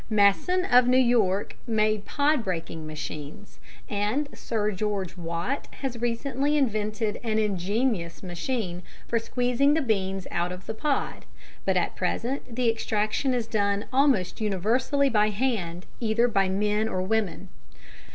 Masson of New York made pod breaking machines, and Sir George Watt has recently invented an ingenious machine for squeezing the beans out of the pod, but at present the extraction is done almost universally by hand, either by men or women.